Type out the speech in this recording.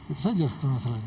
itu saja setelah masalahnya